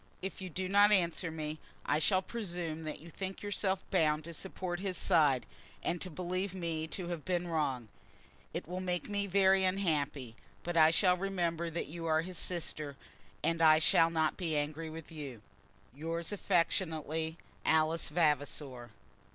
If you do not answer me I shall presume that you think yourself bound to support his side, and to believe me to have been wrong. It will make me very unhappy; but I shall remember that you are his sister, and I shall not be angry with you. Yours always affectionately, ALICE VAVASOR.